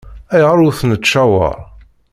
Ayɣer ur t-nettcawaṛ?